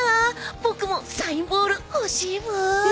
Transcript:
僕も、サインボール欲しいブイ！